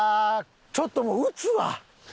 ちょっともう打つわ！